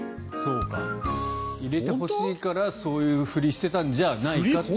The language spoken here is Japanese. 入れてほしいからそういうふりをしてたんじゃないかという。